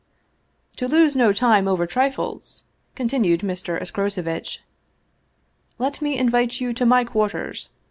" To lose no time over trifles," continued Mr. Escroce vitch, "let me invite you to my quarters.